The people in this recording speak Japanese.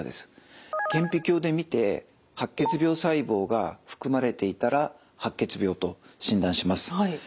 顕微鏡で見て白血病細胞が含まれていたら白血病と診断します。